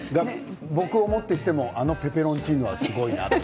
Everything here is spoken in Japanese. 僕をもってしてもあのペペロンチーノはすごいなと。